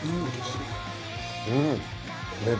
うん！